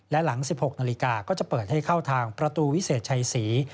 และหลัง๑๖นาฬิกาก็จะเปิดให้เข้าทางประตูวิเศษชัยศรี